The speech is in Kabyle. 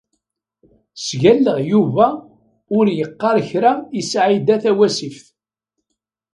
Sgalleɣ Yuba ur yeqqar kra i Saɛida Tawasift.